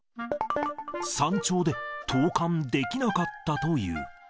山頂で投かんできなかったという。